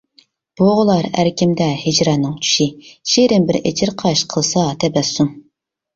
بوغۇلار ئەركىمدە ھىجراننىڭ چۈشى، شېرىن بىر ئېچىرقاش قىلسا تەبەسسۇم.